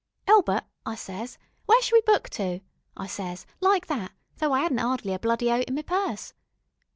'Elbert,' I ses, 'where shell we book to,' I ses, like that, though I 'adn't 'ardly a bloody oat in me purse.